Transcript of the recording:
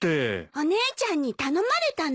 お姉ちゃんに頼まれたの。